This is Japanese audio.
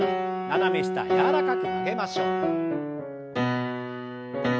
斜め下柔らかく曲げましょう。